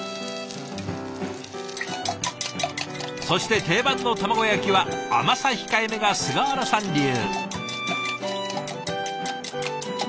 そして定番の卵焼きは甘さ控えめが菅原さん流。